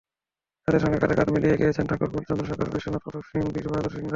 তাঁদের সঙ্গে কাঁধে কাঁধ মিলিয়ে এগিয়েছিলেন ঠাকুরকুল—চন্দ্রশেখর, বিশ্বনাথ প্রতাপ সিং, বীরবাহাদুর সিংরা।